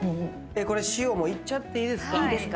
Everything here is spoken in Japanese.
塩いっちゃっていいですか？